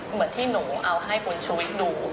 เหมือนที่หนูเอาให้คุณชุวิตดู